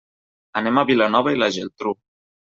Anem a Vilanova i la Geltrú.